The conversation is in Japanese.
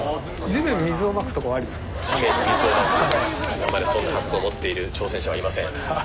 今までそんな発想を持っている挑戦者はいません。